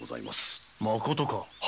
まことか？